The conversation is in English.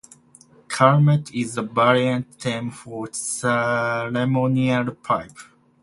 Calumet is a variant term for Ceremonial pipe.